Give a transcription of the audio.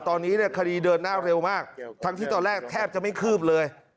ตอนนี้เนี่ยคดีเดินหน้าเร็วมากทั้งที่ตอนแรกแทบจะไม่คืบเลย